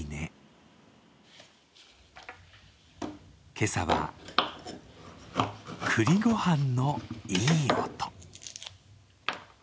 今朝は栗御飯のいい音。